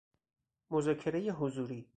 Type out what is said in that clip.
مذاکره حضوری